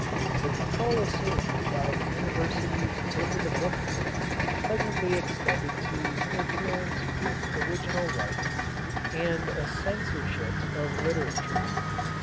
The control assumed by the Universities over the book trade presently extended to interference with original writings and a censorship of literature.